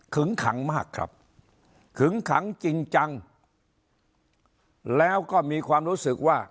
ขังมากครับขึงขังจริงจังแล้วก็มีความรู้สึกว่า